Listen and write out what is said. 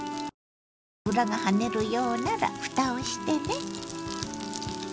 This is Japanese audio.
油が跳ねるようならふたをしてね。